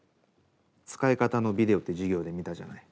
使い方のビデオって授業で見たじゃない。